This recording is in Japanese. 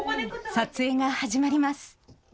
撮影が始まります。